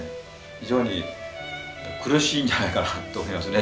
非常に苦しいんじゃないかなと思いますね